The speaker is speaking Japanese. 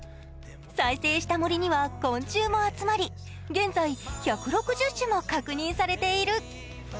再生した森には昆虫も集まり、現在１６０種も確認されている。